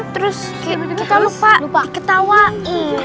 terus kita lupa diketawain